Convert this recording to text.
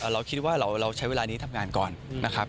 เราคิดว่าเราใช้เวลานี้ทำงานก่อนนะครับ